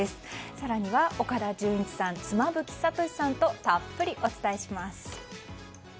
更には岡田准一さん妻夫木聡さんとたっぷりお伝えします。